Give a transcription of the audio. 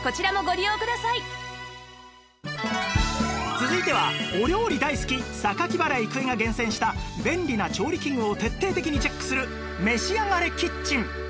続いてはお料理大好き榊原郁恵が厳選した便利な調理器具を徹底的にチェックする「めしあがれキッチン」